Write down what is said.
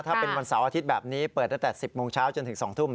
ถ้าเป็นวันเสาร์อาทิตย์แบบนี้เปิดตั้งแต่๑๐โมงเช้าจนถึง๒ทุ่ม